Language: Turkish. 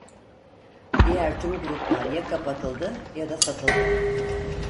Diğer tüm gruplar ya kapatıldı ya da satıldı.